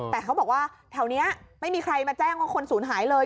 แต่เขาบอกว่าแถวนี้ไม่มีใครมาแจ้งว่าคนศูนย์หายเลย